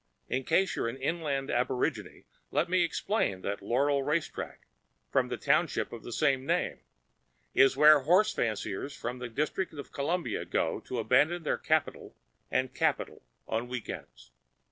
In case you're an inland aborigine, let me explain that Laurel race track (from the township of the same name) is where horse fanciers from the District of Columbia go to abandon their Capitol and capital on weekends.